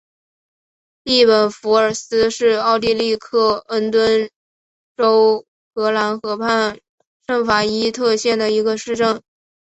利本弗尔斯是奥地利克恩顿州格兰河畔圣法伊特县的一个市镇。